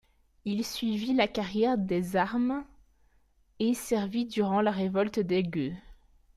Il suivit la carrière des armes et servit durant la Révolte des gueux.